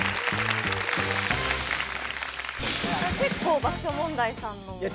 結構爆笑問題さんのね。